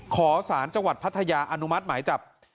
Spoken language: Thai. ขอสารจังหวัดพัทยาอนุมัติหมายจับ